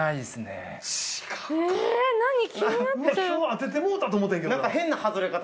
当ててもうたと思ったんやけど。